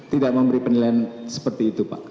tidak memberi penilaian seperti itu pak